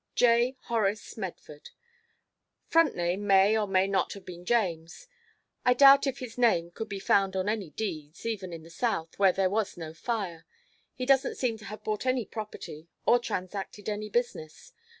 "J. Horace Medford. Front name may or may not have been James. I doubt if his name could be found on any deeds, even in the south, where there was no fire. He doesn't seem to have bought any property or transacted any business.